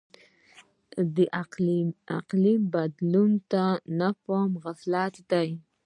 د اقلیم بدلون ته نه پام غفلت دی.